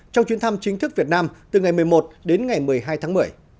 trong chuyến thăm chính thức việt nam từ ngày một mươi một đến ngày một mươi hai tháng một mươi